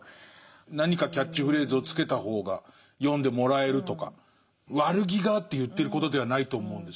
何かキャッチフレーズをつけた方が読んでもらえるとか悪気があって言ってることではないと思うんですね。